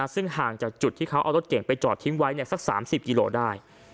ซึ่งห่างจากจุดที่เขาเอารถเก่งไปจอดทิ้งไว้สัก๓๐กิโลได้